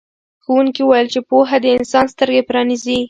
ښوونکي وویل چې پوهه د انسان سترګې پرانیزي.